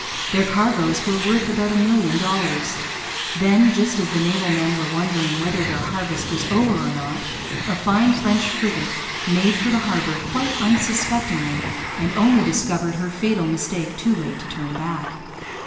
Their cargoes were worth about a million dollars. Then, just as the naval men were wondering whether their harvest was over or not, a fine French frigate made for the harbour quite unsuspectingly, and only discovered her fatal mistake too late to turn back.